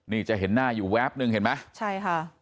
นี่จะเห็นหน้าอยู่แวบนึงเห็นไหมใช่ค่ะ